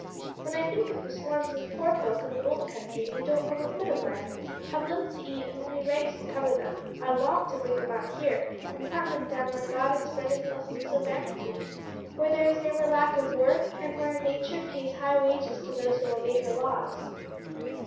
"When I think of the swarms of poor folk in the old country who don't own a foot of land, have little to eat and only rags to cover them, I long to bring them out here and plant them down where God has spread His blessings so bountifully, where there is never lack of work, and where Nature pays high wages to those who obey her laws."